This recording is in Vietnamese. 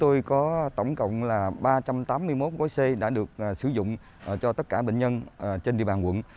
tôi có tổng cộng là ba trăm tám mươi một gói xây đã được sử dụng cho tất cả bệnh nhân trên địa bàn quận